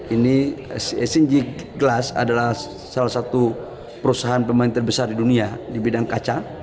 ini singgi glass adalah salah satu perusahaan pemain terbesar di dunia di bidang kaca